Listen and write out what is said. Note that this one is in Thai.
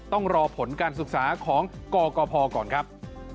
ต้องรอผลการศึกษาของกกพก่อนครับ